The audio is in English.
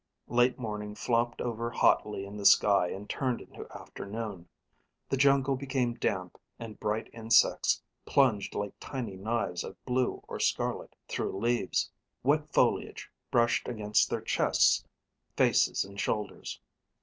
Late morning flopped over hotly in the sky and turned into afternoon. The jungle became damp, and bright insects plunged like tiny knives of blue or scarlet through leaves. Wet foliage brushed against their chests, faces, and shoulders.